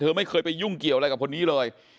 ไม่เคยไปยุ่งเกี่ยวอะไรกับคนนี้เลย